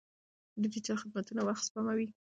ډیجیټل خدمتونه وخت سپموي.